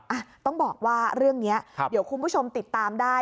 อ่ะต้องบอกว่าเรื่องนี้เดี๋ยวคุณผู้ชมติดตามได้